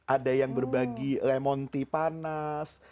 ada yang berbagi lemon tea panas